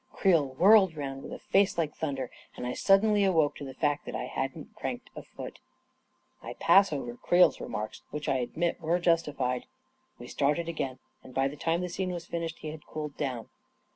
Creel whirled around with a face like thunder, and I suddenly awoke to the fact that I hadn't cranked a foot 1 I pass over Creel's remarks, which I admit were justified. We started again, and by the time the scene was finished, he had cooled down.